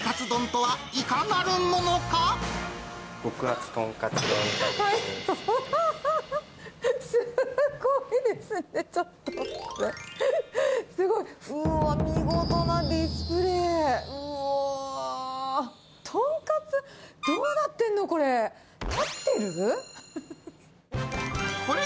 とんかつ、どうなってるの、これ。